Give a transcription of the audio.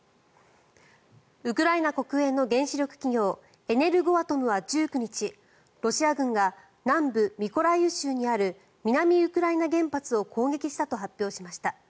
ウクライナ国営の原子力企業エネルゴアトムは１９日ロシア軍が南部ミコライウ州にある南ウクライナ原発を攻撃したと発表しました。